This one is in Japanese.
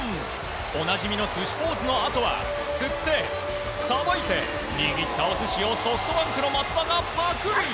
おなじみのスシポーズのあとは釣って、さばいて握ったお寿司をソフトバンクの松田がパクリ！